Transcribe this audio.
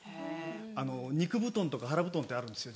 あの肉布団とか腹布団ってあるんですよ